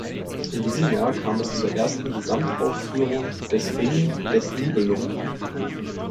In diesem Jahr kam es zur ersten Gesamtaufführung des "Ring des Nibelungen".